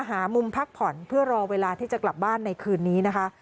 หามุมพักผ่อนเพื่อรอเวลาที่จะกลับบ้านในคืนนี้นะคะ